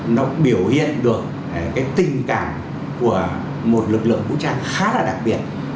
nó biểu hiện được cái tình cảm của một lực lượng vũ trang khá là đặc biệt